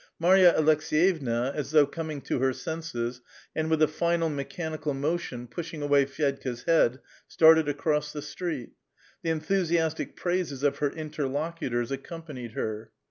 Marya Aleks^yevna, as though coming to her senses, and with a linal mechanical motion pushing awav Fvedka's head, startt»d across the street. The enthu siasiic i»raises of her interlocutors accompanied her.